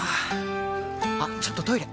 あっちょっとトイレ！